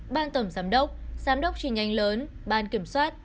ban tổng giám đốc giám đốc trì nhanh lớn ban kiểm soát